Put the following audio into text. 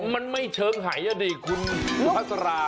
มันไม่เชิงหายอ่ะดิคุณสุภาษารา